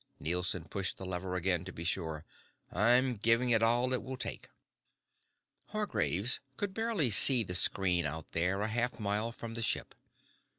Nielson pushed the lever again to be sure. "I'm giving it all it will take." Hargraves could barely see the screen out there a half mile from the ship.